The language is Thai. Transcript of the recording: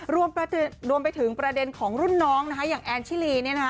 รวมไปถึงประเด็นของรุ่นน้องอย่างแอนชิลี